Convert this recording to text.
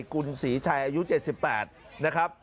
กุลศรีชัยอายุ๗๘นะครับ